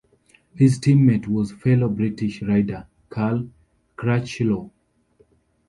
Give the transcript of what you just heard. His teammate was fellow British rider Cal Crutchlow.